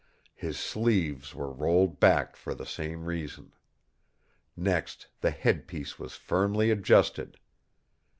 His sleeves were rolled back for the same reason. Next the headpiece was firmly adjusted.